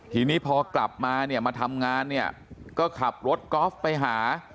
ทีนี้พอกลับมาเนี่ยมาทำงานเนี่ยก็ขับรถกอล์ฟไปหา